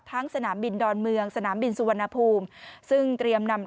สนามบินดอนเมืองสนามบินสุวรรณภูมิซึ่งเตรียมนำ